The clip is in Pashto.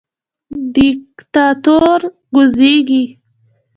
دیکتاتور کوزیږي